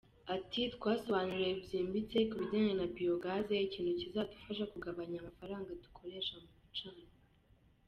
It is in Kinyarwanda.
Ati “Twasobanuriwe byimbitse ku bijyanye na Biogaz, ikintu kizadufasha kugabanya amafaranga dukoresha mu bicanwa.